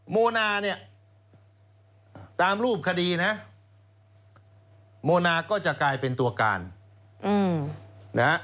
โมนาเนี่ยตามรูปคดีนะโมนาก็จะกลายเป็นตัวการนะฮะ